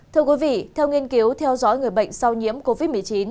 thưa quý vị theo nghiên cứu theo dõi người bệnh sau nhiễm covid một mươi chín